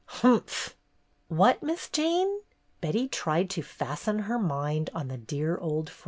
"Humph!" "What, Miss Jane?" Betty tried to fasten her mind on the dear old friend.